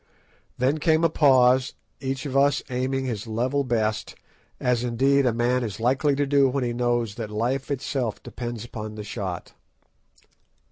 Then came a pause, each of us aiming his level best, as indeed a man is likely to do when he knows that life itself depends upon the shot.